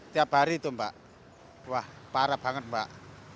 tiap hari itu mbak wah parah banget mbak